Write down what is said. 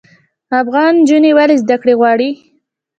افغان نجونې ولې زده کړې غواړي؟